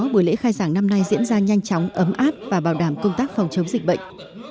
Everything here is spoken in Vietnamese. buổi lễ khai giảng năm nay diễn ra nhanh chóng ấm áp và bảo đảm công tác phòng chống dịch bệnh